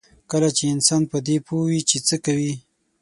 کله چې انسان په دې پوه وي چې څه کوي.